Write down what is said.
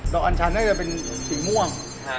อัญชันน่าจะเป็นสีม่วง